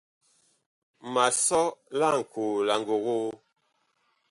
Ma sɔ laŋkoo la ngogoo.